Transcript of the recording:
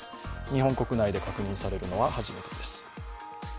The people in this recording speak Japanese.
日本国内で確認されるのは初めてです。